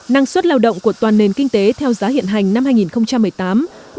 năng suất lao động của toàn nền kinh tế theo giá hiện hành năm hai nghìn một mươi tám